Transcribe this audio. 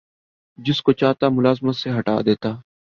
جس کو چاہتا ملازمت سے ہٹا دیتا